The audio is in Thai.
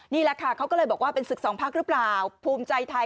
นี่แหละค่ะเขาก็เลยบอกว่าเป็นศึกสองพักหรือเปล่าภูมิใจไทย